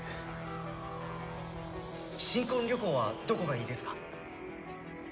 新婚旅行はどこがいいですか？